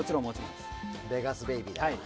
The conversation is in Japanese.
ベガスベイビーです。